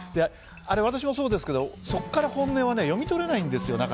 私もそうですけど、そこから本音は読み取れないんですよ。